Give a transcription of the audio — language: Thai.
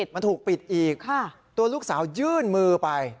มันถูกปิดอีกตัวลูกสาวยื่นมือไป